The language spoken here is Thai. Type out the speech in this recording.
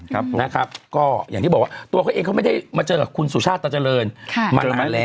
ก็อย่างที่บอกว่าตัวเขาเองเขาไม่ได้มาเจอกับคุณสุชาติตาเจริญมานานแล้ว